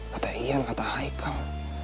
kata ian kata haikal